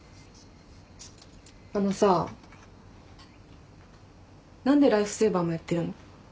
あのさ何でライフセーバーもやってるの？